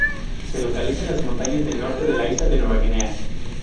Se localiza en las montañas del norte de la isla de Nueva Guinea.